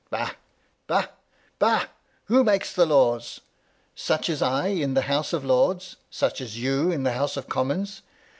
"Bah! Bah! Bah! Who makes laws? Such as I, in the House of Lords — ^such as you, in the House of Commons.